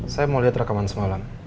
saya mau lihat rekaman semalam